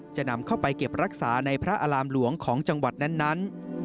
จะนำเข้าไปเก็บรักษาในพระอารามหลวงของจังหวัดนั้น